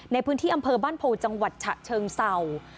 ในพื้นที่อำเภอบ้านโพจังหวัดฉะเชิงเศร้า